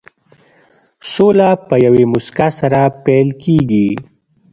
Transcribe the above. سوله په یوې موسکا سره پيل کېږي.